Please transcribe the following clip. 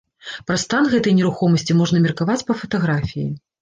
Пра стан гэтай нерухомасці можна меркаваць па фатаграфіі.